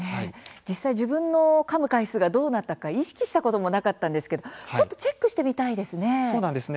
実際、自分のかむ回数がどうなったのか意識したことなかったんですけれどもちょっとチェックしてみたいですね。